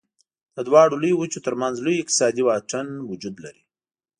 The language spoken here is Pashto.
د دواړو لویو وچو تر منځ لوی اقتصادي واټن وجود لري.